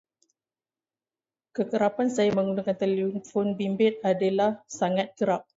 Kekerapan saya menggunakan telefon bimbit adalah sangat kerap.